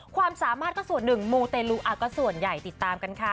ความสามารถก็ส่วนหนึ่งมูเตลูก็ส่วนใหญ่ติดตามกันค่ะ